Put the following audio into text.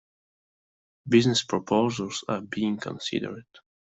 Business proposals are being considered.